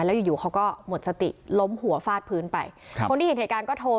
แล้วอยู่อยู่เขาก็หมดสติล้มหัวฟาดพื้นไปครับคนที่เห็นเหตุการณ์ก็โทร